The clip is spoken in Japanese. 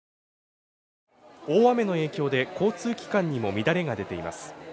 大雨の影響で交通機関にも乱れが出ています。